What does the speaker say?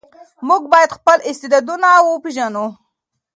موږ باید خپل استعدادونه وپېژنو.